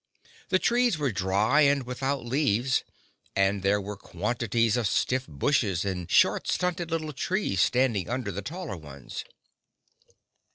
The trees were dry and without leaves and there were quantities of stiff bushes and short stunted little trees standing under the taller ones.